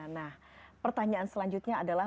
nah pertanyaan selanjutnya adalah